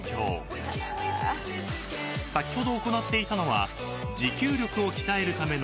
［先ほど行っていたのは持久力を鍛えるための］